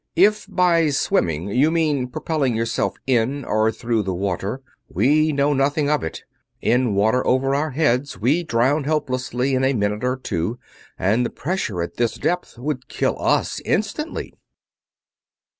"If by 'swimming' you mean propelling yourself in or through the water, we know nothing of it. In water over our heads we drown helplessly in a minute or two, and the pressure at this depth would kill us instantly."